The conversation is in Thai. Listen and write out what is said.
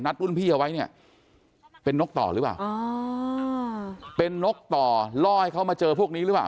รุ่นพี่เอาไว้เนี่ยเป็นนกต่อหรือเปล่าเป็นนกต่อล่อให้เขามาเจอพวกนี้หรือเปล่า